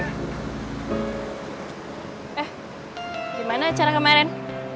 eh gimana acara kemarin